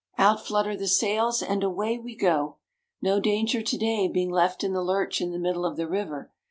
Out flutter the sails, and away we go. No danger to day of being left in the lurch in the middle of the river.